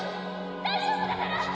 大丈夫だから！